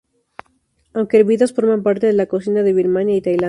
Aunque hervidas forman parte de la cocina de Birmania y Tailandia.